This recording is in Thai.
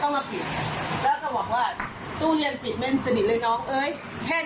เราก็เลยหาว่าพี่พูดไม่ดีตรงไหน